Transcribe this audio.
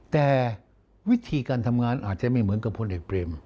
แต่วิธีการทำงานอาจจะไม่เหมือนกับพลเอกเบรม